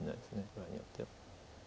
場合によっては。